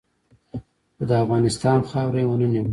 خو د افغانستان خاوره یې و نه نیوله.